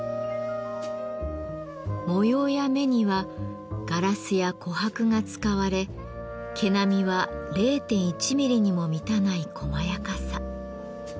模様や目にはガラスや琥珀が使われ毛並みは０．１ミリにも満たないこまやかさ。